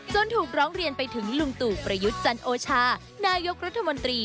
ถูกร้องเรียนไปถึงลุงตู่ประยุทธ์จันโอชานายกรัฐมนตรี